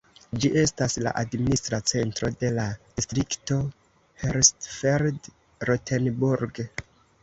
Ĝi estas la administra centro de la distrikto Hersfeld-Rotenburg.